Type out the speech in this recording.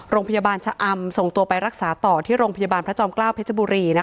โรงพยาบาลชะอำส่งตัวไปรักษาต่อที่โรงพยาบาลพระจอมเกล้าเพชรบุรี